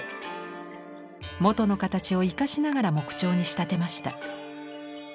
元の形を生かしながら木彫に仕立てました。